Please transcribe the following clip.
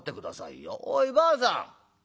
おいばあさん。